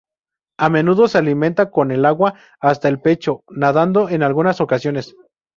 A menudo se alimenta con el agua hasta el pecho, nadando en algunas ocasiones.